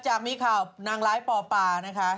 จากมีข่าวนางร้ายปอปานะคะ